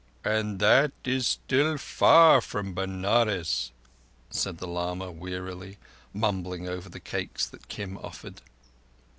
"And that is still far from Benares," said the lama wearily, mumbling over the cakes that Kim offered.